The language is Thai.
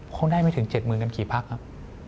เขาได้ไม่ถึง๗๐๐กันกี่พักครับ